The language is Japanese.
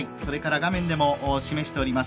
画面でも示しております